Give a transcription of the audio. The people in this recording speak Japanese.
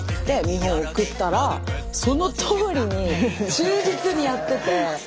で見本送ったらそのとおりに忠実にやってて。